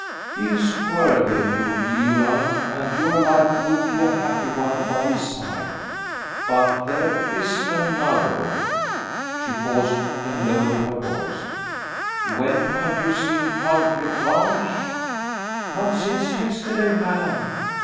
He is worthy, of you, Leoline, and your life will be a happy one by his side; but there is another." She paused and lowered her voice. "When have you seen Count L'Estrange?" "Not since yesterday, madame."